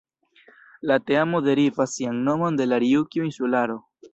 La teamo derivas sian nomon de la Rjukju-insularo.